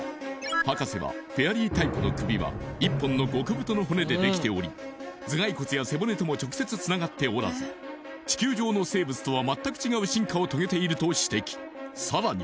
博士はフェアリータイプの首は１本の極太の骨でできており頭蓋骨や背骨とも直接つながっておらず地球上の生物とは全く違う進化を遂げていると指摘さらに